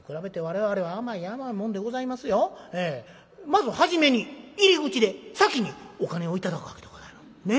まず初めに入り口で先にお金を頂くわけでございます。ね？